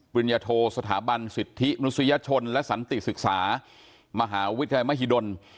ริญญโทสถาบันสิทธิมนุษยชนและสันติศึกษามหาวิทยาลัยมหิดล